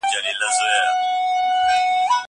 زه اوس کتاب وليکم!!